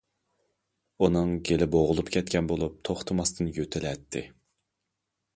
ئۇنىڭ گېلى بوغۇلۇپ كەتكەن بولۇپ، توختىماستىن يۆتىلەتتى.